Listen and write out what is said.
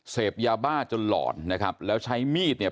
เสพยาบ้าจนหลอนนะครับแล้วใช้มีดเนี่ย